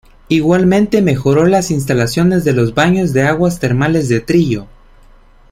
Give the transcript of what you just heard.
Igualmente mejoró las instalaciones de los baños de aguas termales de Trillo.